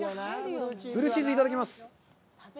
ブルーチーズ、いただきます。